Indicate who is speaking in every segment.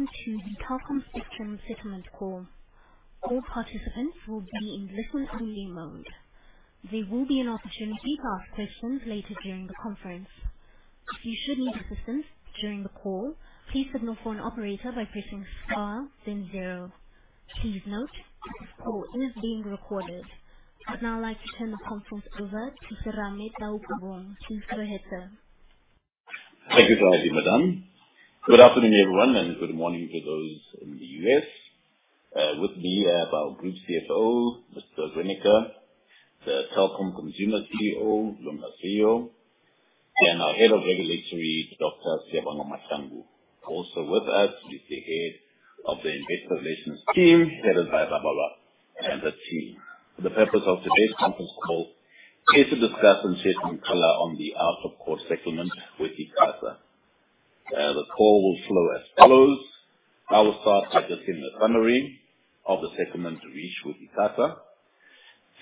Speaker 1: Welcome to the Telkom Spectrum Settlement Call. All participants will be in listen-only mode. There will be an opportunity to ask questions later during the conference. If you should need assistance during the call, please signal for an operator by pressing star then zero. Please note, this call is being recorded. I'd now like to turn the conference over to Serame Taukobong. Sir, go ahead, sir.
Speaker 2: Thank you, Madame. Good afternoon, everyone, and good morning to those in the U.S. With me, I have our Group CFO, Mr. Reyneke, the Telkom Consumer CEO, Lunga Siyo, and our Head of Regulatory, Dr. Siyabonga Mahlangu. Also with us is the head of the Investor Relations team, led by Bhavel Govender and the team. For the purpose of today's conference call, is to discuss and shed some color on the out-of-court settlement with ICASA. The call will flow as follows: I will start by giving a summary of the settlement reached with ICASA.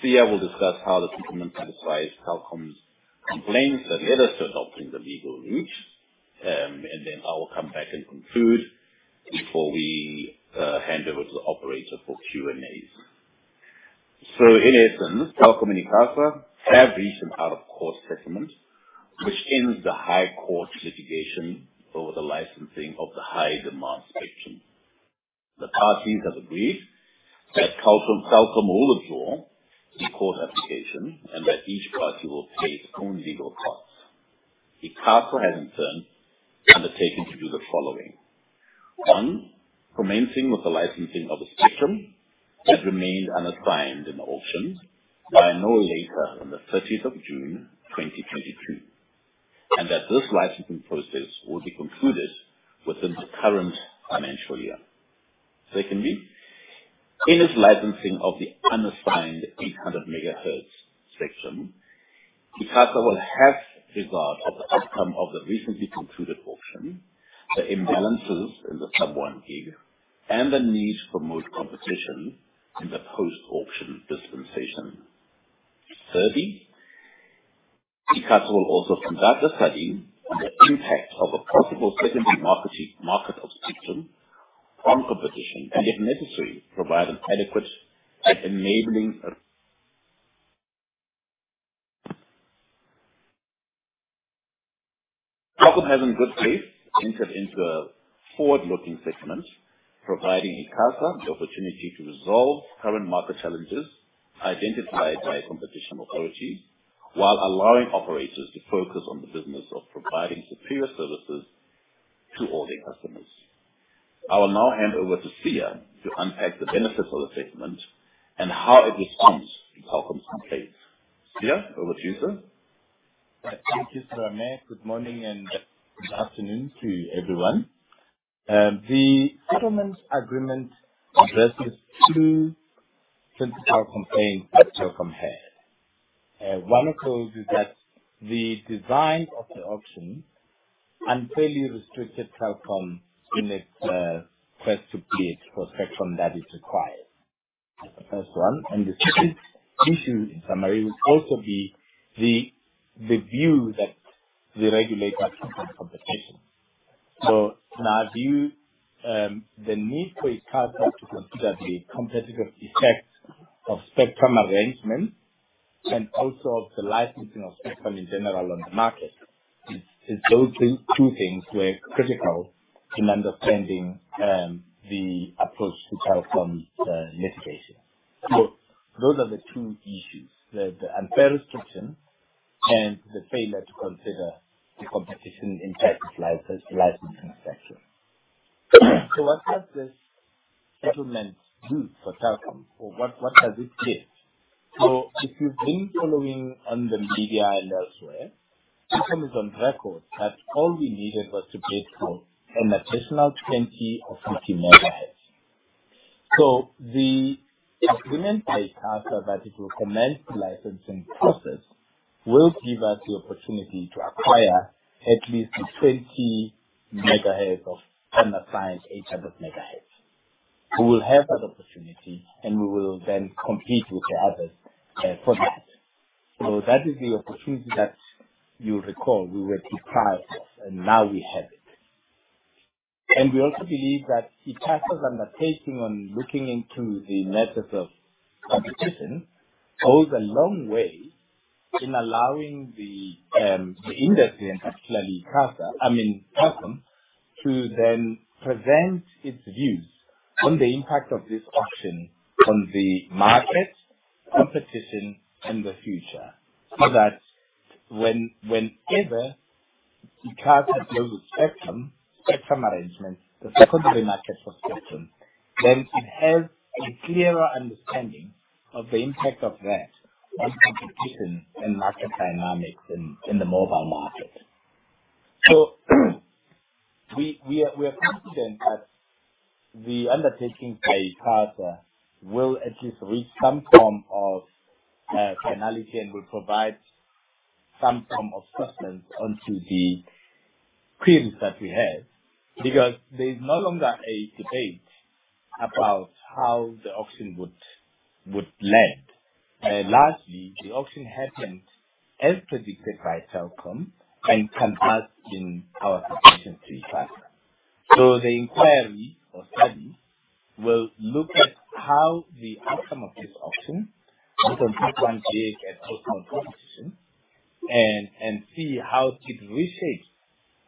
Speaker 2: Sia will discuss how the settlement satisfies Telkom's complaints that led us to adopting the legal route. And then I will come back and conclude before we hand over to the operator for Q&As. So in essence, Telkom and ICASA have reached an out-of-court settlement, which ends the High Court litigation over the licensing of the high-demand spectrum. The parties have agreed that Telkom, Telkom will withdraw the court application and that each party will pay its own legal costs. ICASA has, in turn, undertaken to do the following: One, commencing with the licensing of the spectrum that remained unassigned in the auction, by no later than the 30th of June, 2023, and that this licensing process will be concluded within the current financial year. Secondly, in its licensing of the unassigned 800 MHz spectrum, ICASA will have regard of the outcome of the recently concluded auction, the imbalances in the sub-1 GHz, and the need for more competition in the post-auction dispensation. Thirdly, ICASA will also conduct a study on the impact of a possible secondary market of spectrum on competition, and if necessary, provide an adequate and enabling. Telkom is in good faith entered into a forward-looking settlement, providing ICASA the opportunity to resolve current market challenges identified by competition authorities, while allowing operators to focus on the business of providing superior services to all their customers. I will now hand over to Sia to unpack the benefits of the settlement and how it responds to Telkom's complaints. Siya, over to you, sir.
Speaker 3: Thank you, Serame. Good morning and good afternoon to everyone. The settlement agreement addresses two principal complaints that Telkom had. One of those is that the design of the auction unfairly restricted Telkom in its quest to create for spectrum that is required. That's the first one. The second issue, in summary, would also be the view that the regulator brings to competition. In our view, the need for ICASA to consider the competitive effect of spectrum arrangement and also of the licensing of spectrum in general on the market is those two things were critical in understanding the approach to Telkom's litigation. Those are the two issues, the unfair restriction and the failure to consider the competition impact of licensing spectrum. What does this settlement do for Telkom, or what does it create? So if you've been following on the media and elsewhere, Telkom is on record that all we needed was to bid for an additional 20 or 50 MHz. So the agreement by ICASA, that it will commence the licensing process, will give us the opportunity to acquire at least 20 MHz of unassigned 800 MHz. We will have that opportunity, and we will then compete with the others, for that. So that is the opportunity that you'll recall we were deprived of, and now we have it. And we also believe that ICASA's undertaking on looking into the methods of competition, goes a long way in allowing the, the industry, and actually ICASA, I mean, Telkom, to then present its views on the impact of this auction on the market, competition, and the future. So that when, whenever ICASA deals with spectrum, spectrum arrangements, the secondary market for spectrum, then it has a clearer understanding of the impact of that on competition and market dynamics in the mobile market. So we are confident that the undertaking by ICASA will at least reach some form of finality, and will provide some form of substance onto the queries that we had, because there's no longer a debate about how the auction would land. Lastly, the auction happened as predicted by Telkom, and can add in our position to ICASA. So the inquiry or study will look at how the outcome of this auction, based on HHI and total competition, and see how it reshapes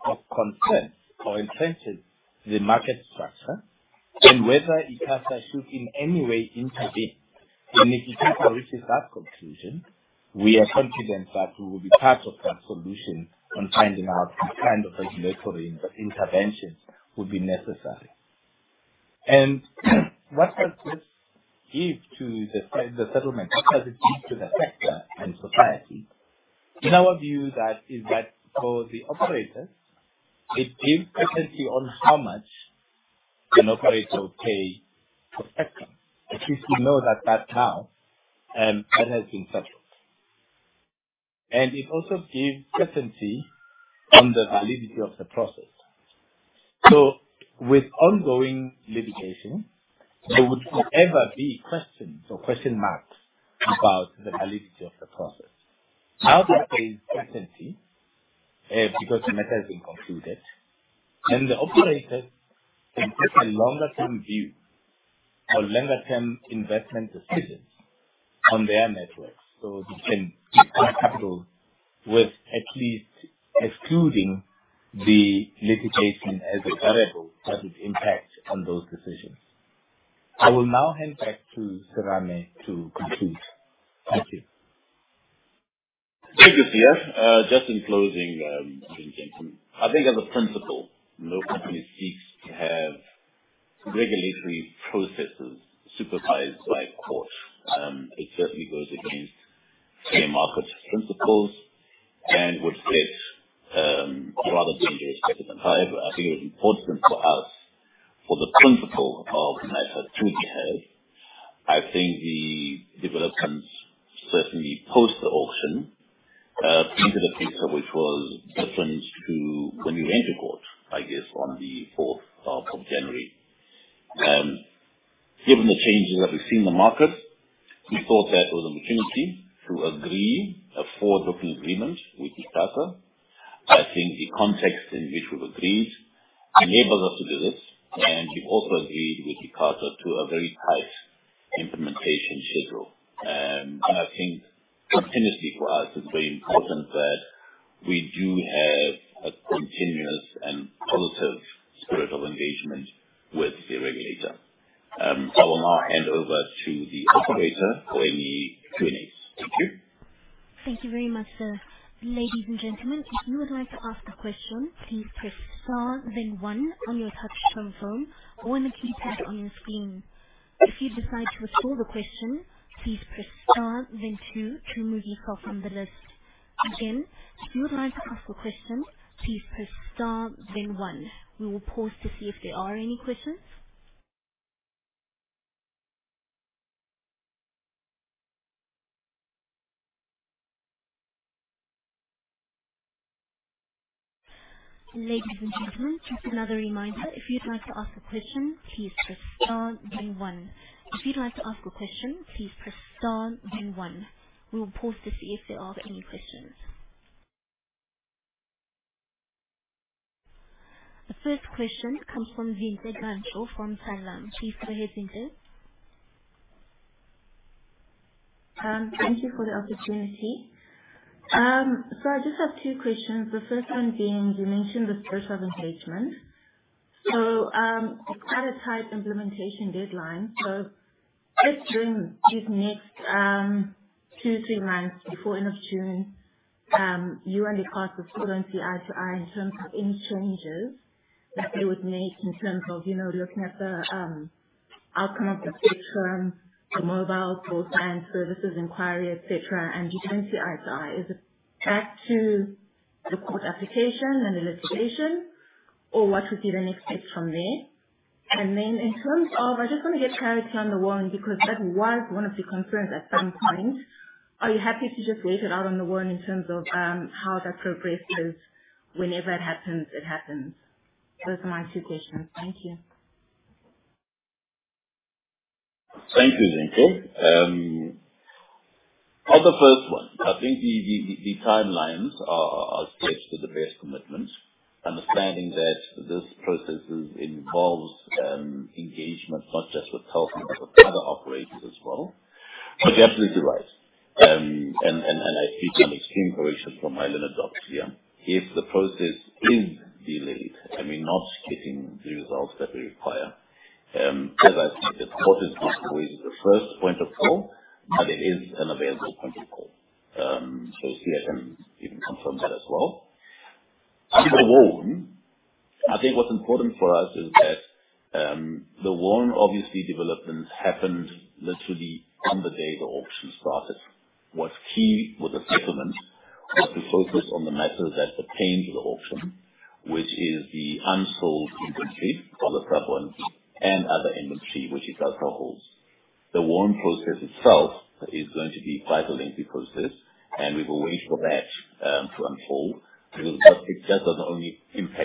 Speaker 3: or concerns or influences the market structure, and whether ICASA should in any way intervene. If ICASA reaches that conclusion, we are confident that we will be part of that solution on finding out what kind of regulatory inter-intervention would be necessary. What does this give to the settlement? What does it give to the sector and society? In our view, that is that for the operators, it gives certainty on how much an operator will pay for spectrum. At least we know that, that now, and that has been settled. And it also gives certainty on the validity of the process. So with ongoing litigation, there would forever be questions or question marks about the validity of the process. Now there is certainty, because the matter has been concluded, and the operators can take a longer term view or longer term investment decisions on their networks. They can plan capital with at least excluding the litigation as a variable that would impact on those decisions. I will now hand back to Serame to conclude. Thank you.
Speaker 2: Thank you, Siya. Just in closing, ladies and gentlemen, I think as a principle, no company seeks to have regulatory processes supervised by a court. It certainly goes against fair market principles and would set rather dangerous precedent. However, I think it was important for us, for the principle of matter to be heard. I think the developments, certainly post the auction, painted a picture which was different to when we entered court, I guess, on the January 4th. Given the changes that we've seen in the market, we thought that was an opportunity to agree a forward-looking agreement with ICASA. I think the context in which we've agreed enables us to do this, and we've also agreed with ICASA to a very tight implementation schedule. I think continuously for us, it's very important that we do have a continuous and positive spirit of engagement with the regulator. I will now hand over to the operator for any Q&A. Thank you.
Speaker 1: Thank you very much, Sir. Ladies and gentlemen, if you would like to ask a question, please press star then one on your touchtone phone or on the keypad on your screen. If you decide to withdraw the question, please press star then two to remove yourself from the list. Again, if you would like to ask a question, please press star then one. We will pause to see if there are any questions. Ladies and gentlemen, just another reminder, if you'd like to ask a question, please press star then one. If you'd like to ask a question, please press star then one. We will pause to see if there are any questions. The first question comes from Zintle Ramano from Taquanta Asset Management. Please go ahead, Zintle.
Speaker 4: Thank you for the opportunity. So, I just have two questions. The first one being, you mentioned the spirit of engagement. So, it's quite a tight implementation deadline. So between these next two, three months, before end of June, you and ICASA going to see eye to eye in terms of any changes that you would make in terms of, you know, looking at the outcome of the sixth term. The mobile broadband services inquiry, et cetera, and you're going to see eye to eye. Is it back to the court application and the litigation, or what should we then expect from there? And then in terms of-- I just want to get clarity on the WOAN, because that was one of the concerns at some point. Are you happy to just wait it out on the WOAN in terms of, how that progresses? Whenever it happens, it happens. Those are my two questions. Thank you.
Speaker 2: Thank you, Zintle. On the first one, I think the timelines are set to the best commitment, understanding that this process involves engagement, not just with Telkom, but with other operators as well. But you're absolutely right. And I seek an extreme correction from my learned doctor here. If the process is delayed, and we're not getting the results that we require, as I've said, the court is not always the first point of call, but it is an available point of call. So Siya can even confirm that as well. On the WOAN, I think what's important for us is that the WOAN, obviously, developments happened literally on the day the auction started. What's key with the settlement is to focus on the matters that pertain to the auction, which is the unsold inventory for the suburbs and other inventory, which is our cohorts. The WOAN process itself is going to be quite a lengthy process, and we will wait for that, to unfold, because that just doesn't only impact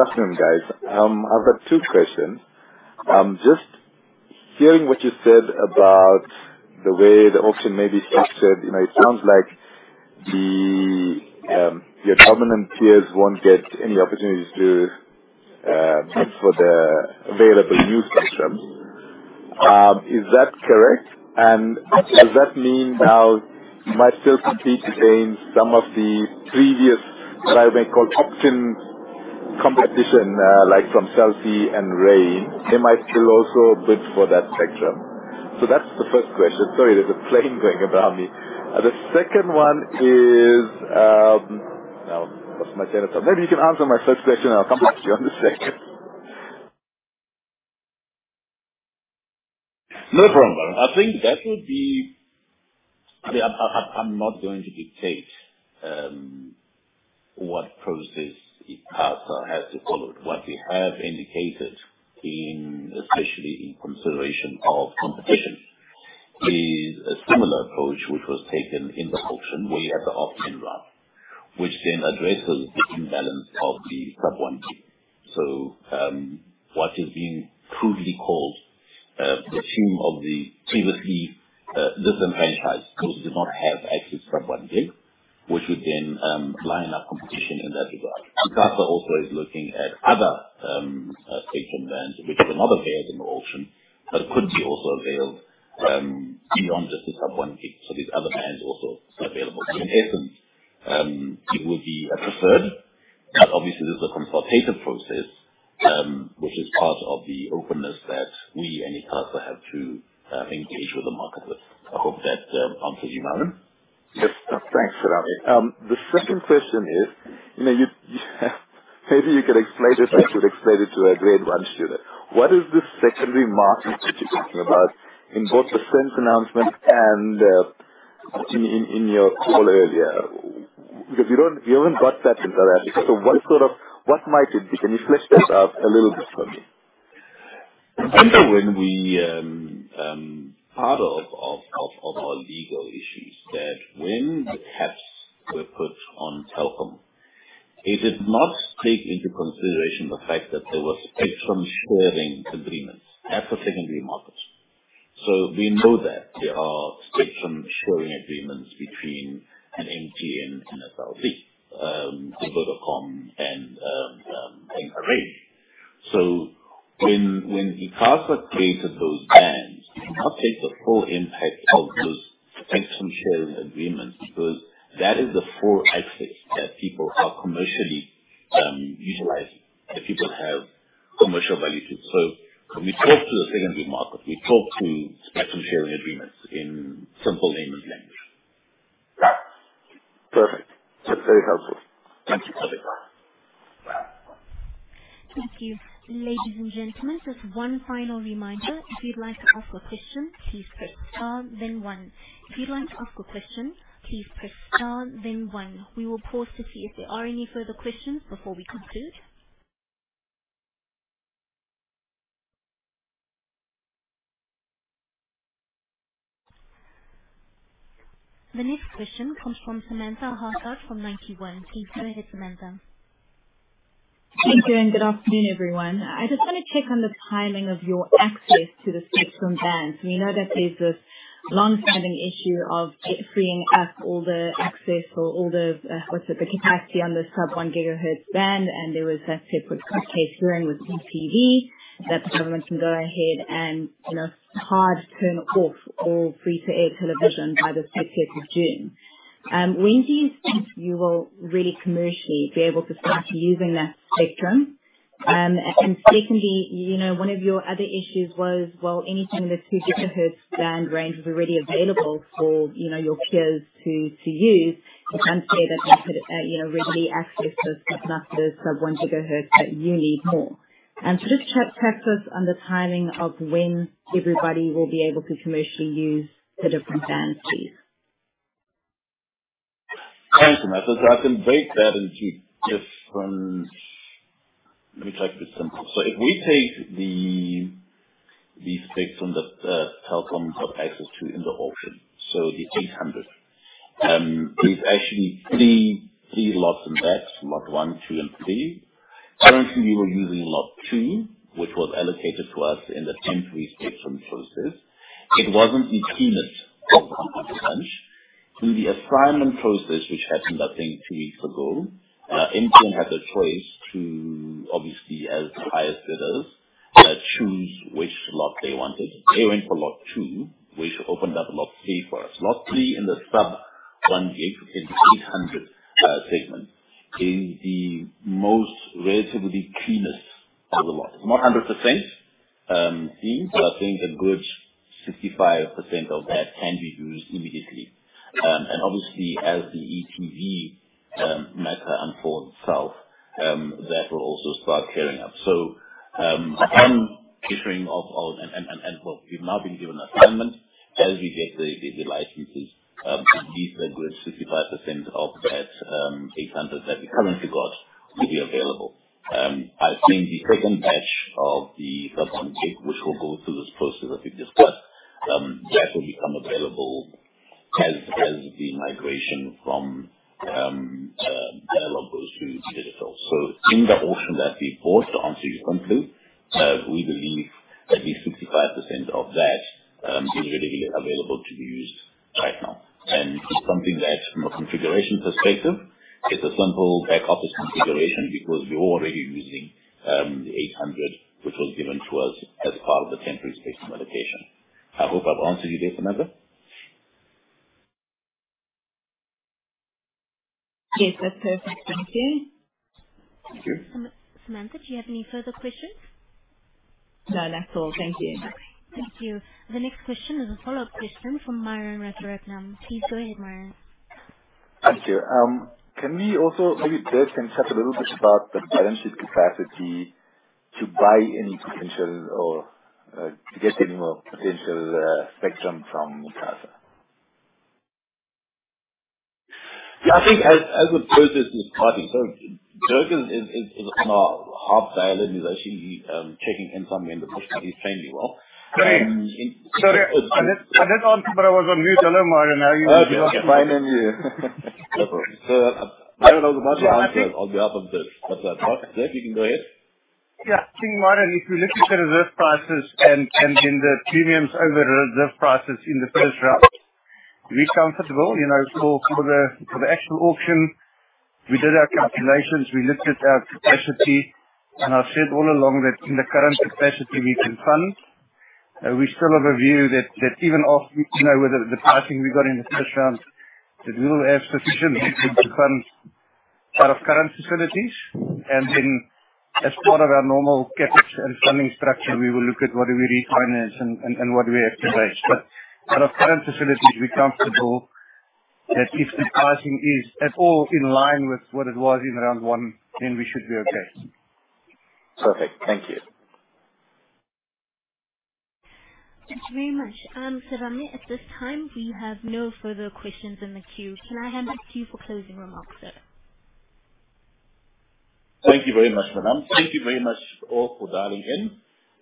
Speaker 2: Telkom but also all the other operators. So the WOAN is going to be quite a long, lengthy process. It has to come from the policy maker, which is the minister, and also how then the regulator, in this case, administer the process resulting from the award. I hope, Zintle, I've answered your questions?
Speaker 4: Yes, thank you. You have.
Speaker 2: Perfect.
Speaker 1: Zintle, do you have any follow-up questions?
Speaker 4: No follow-up questions. Thank you.
Speaker 1: Okay, thank you. The next question comes from [Myron Murathanam from Lib Squad]. Please go ahead, Myron.
Speaker 5: Thanks, and good afternoon, guys. I've got two questions. Just hearing what you said about the way the auction may be structured, you know, it sounds like the your government peers won't get any opportunities to bid for the available new spectrum. Is that correct? And does that mean now you might still compete against some of the previous, what I may call, auction competition, like from Cell C and Rain? They might still also bid for that spectrum. So that's the first question. Sorry, there's a plane going above me. The second one is, now, what's my second question? Maybe you can answer my first question, and I'll come back to you on the second.
Speaker 2: No problem. I think that would be... I'm not going to dictate what process ICASA has to follow. What we have indicated in, especially in consideration of competition, is a similar approach which was taken in the auction way at the auction draft, which then addresses the imbalance of the sub-one gig. So, what is being crudely called the theme of the previously disadvantaged, because it did not have access sub-one gig, which would then line up competition in that regard. ICASA also is looking at other spectrum bands, which is another variable in the auction, but could be also available beyond just the sub-one gig. So these other bands also are available. So in essence, it would be a preferred, but obviously this is a consultative process, which is part of the openness that we and ICASA have to engage with the market with. I hope that answers you, Myron.
Speaker 6: Yes. Thanks, Serame. The second question is, you know, you, maybe you could explain it like you'd explain it to a grade one student. What is this secondary market that you're talking about in both the SENS announcement and in your call earlier? Because we don't, we haven't got that in South Africa. So what might it be? Can you flesh that out a little bit for me?
Speaker 2: I think when we part of our legal issues, that when the caps were put on Telkom, it did not take into consideration the fact that there was spectrum sharing agreements at the secondary markets. So we know that there are spectrum sharing agreements between an MTN and Cell C, Vodacom and Rain. So when ICASA created those bands, it did not take the full impact of those spectrum sharing agreements, because that is the full access that people are commercially utilizing, that people have commercial value to. So when we talk to the secondary market, we talk to spectrum sharing agreements in simple layman's language.
Speaker 6: Yeah. Perfect. That's very helpful. Thank you.
Speaker 2: Okay.
Speaker 1: Thank you. Ladies and gentlemen, just one final reminder. If you'd like to ask a question, please press star then one. If you'd like to ask a question, please press star then one. We will pause to see if there are any further questions before we conclude. The next question comes from Samantha Hartard from Ninety One. Please go ahead, Samantha.
Speaker 7: Thank you, and good afternoon, everyone. I just want to check on the timing of your access to the spectrum bands. We know that there's this long-standing issue of it freeing up all the access or all the, what's it? The capacity on the sub-1 GHz band, and there was that separate court case hearing with e.tv, that the government can go ahead and, you know, hard turn off all free-to-air television by the June 6th. When do you think you will really commercially be able to start using that spectrum? And secondly, you know, one of your other issues was, well, anything in the 2 GHz band range was already available for, you know, your peers to use. It's unfair that they could, you know, readily access those, but not the sub-1 gigahertz that you need more. Just touch base on the timing of when everybody will be able to commercially use the different bands, please?
Speaker 2: Thanks, Samantha. So I can break that into different... Let me take this simple. So if we take the spectrum that Telkom have access to in the auction, so the 800, there's actually three lots in that, lot one, two, and three. Currently, we were using lot two, which was allocated to us in the temporary spectrum process. It wasn't the cleanest of the bunch. Through the assignment process, which happened, I think, two weeks ago, MTN had the choice to, obviously, as the highest bidders, choose which lot they wanted. They went for lot two, which opened up lot three for us. Lot three in the sub-1 GHz, in the 800 segment, is the most relatively cleanest of the lot. It's not 100% clean, but I think a good 65% of that can be used immediately. And obviously, as the ETV matter unfolds itself, that will also start clearing up. So, on triggering of and what we've now been given assignment, as we get the licenses, these are where 65% of that 800 that we currently got will be available. I've seen the second batch of the first one, which will go through this process that we've discussed. That will become available as the migration from analog goes to digital. So in the auction that we bought, to answer your question, we believe at least 65% of that is already available to be used right now. It's something that, from a configuration perspective, it's a simple back office configuration because we're already using the 800, which was given to us as part of the temporary spectrum allocation. I hope I've answered you there, Samantha?
Speaker 7: Yes, that's perfect. Thank you.
Speaker 2: Thank you.
Speaker 1: Samantha, do you have any further questions? No, that's all. Thank you. Okay, thank you. The next question is a follow-up question from Myron Murathanam. Please go ahead, Myron.
Speaker 5: Thank you. Can we also... Maybe Dirk can chat a little bit about the balance sheet capacity to buy any potential or, to get any more potential, spectrum from ICASA?
Speaker 2: Yeah, I think as Dirk is talking, so Dirk is on holiday and he's actually checking in from home, but he's trained me well.
Speaker 8: Sorry. Sorry, I did, I did answer, but I was on mute. Hello, Myron, how are you?
Speaker 2: Okay.
Speaker 6: My name here.
Speaker 2: No problem. So I don't know the best answer on behalf of Dirk, but, Dirk, you can go ahead.
Speaker 8: Yeah. I think, Myron, if you look at the reserve prices and, and then the premiums over reserve prices in the first round, we're comfortable, you know, for, for the, for the actual auction, we did our calculations, we looked at our capacity, and I've said all along that in the current capacity we can fund. We still have a view that, that even off, you know, with the, the pricing we got in the first round, that we will have sufficient to, to fund out of current facilities. And then as part of our normal CapEx and funding structure, we will look at what do we refinance and, and, and what we activate. But out of current facilities, we're comfortable that if the pricing is at all in line with what it was in round one, then we should be okay.
Speaker 5: Perfect. Thank you.
Speaker 1: Thank you very much. Serame, at this time, we have no further questions in the queue. Can I hand back to you for closing remarks, sir?
Speaker 2: Thank you very much, Madam. Thank you very much, all, for dialing in.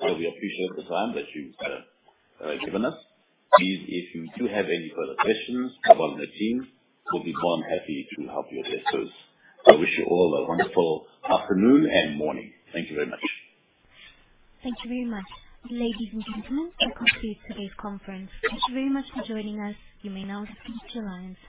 Speaker 2: We appreciate the time that you've given us. Please, if you do have any further questions about the team, we'll be more than happy to help you with this. So I wish you all a wonderful afternoon and morning. Thank you very much.
Speaker 1: Thank you very much. Ladies and gentlemen, we conclude today's conference. Thank you very much for joining us. You may now disconnect your lines.